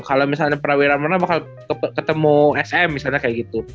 kalau misalnya prawira meneng bakal ketemu sm misalnya kayak gitu